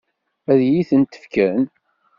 Ad iyi-tent-fken?